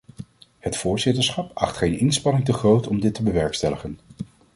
Het voorzitterschap acht geen inspanning te groot om dit te bewerkstelligen.